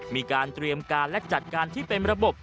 มีการเตรียมการและจัดการที่เป็นระบบ